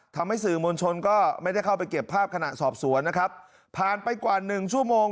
ทำให้สื่อมวลชนก็ไม่ได้เข้าไปเก็บภาพขณะสอบสวนนะครับผ่านไปกว่าหนึ่งชั่วโมง